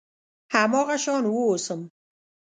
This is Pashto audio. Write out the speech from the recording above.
هماغه شان واوسم .